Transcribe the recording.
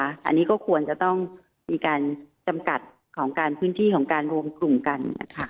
อันนี้ก็ควรจะต้องมีการจำกัดของการพื้นที่ของการรวมกลุ่มกันนะคะ